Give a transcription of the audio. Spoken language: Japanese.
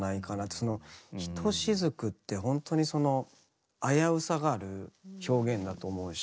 「ひとしずく」ってほんとにその危うさがある表現だと思うし。